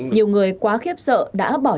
nhiều người quá khiếp sợ đã bỏ nhà